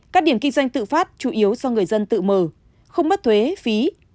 các điểm kinh doanh tự phát chủ yếu do người dân tự mở không mất thuế phí